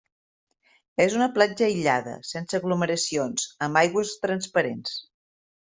És una platja aïllada, sense aglomeracions, amb aigües transparents.